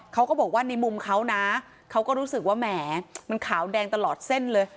เขาก็บอกว่าในมุมเขานะเขาก็รู้สึกว่าแหมมันขาวแดงตลอดเส้นเลย